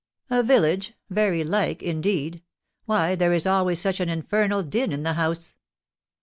"A village! Very like, indeed! Why, there is always such an infernal din in the house."